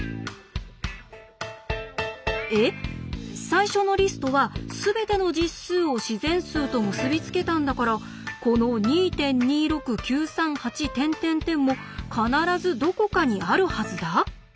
最初のリストはすべての実数を自然数と結び付けたんだからこの２．２６９３８も必ずどこかにあるはずだ？